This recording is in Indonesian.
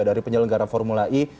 dari penyelenggaraan formula e